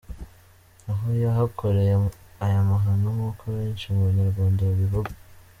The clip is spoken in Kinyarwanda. Naho yahakoreye aya mahano nkuko benshi mu banyarwanda babivuga.